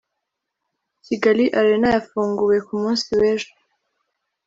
Kigali arena yafunguwe kumunsi wejo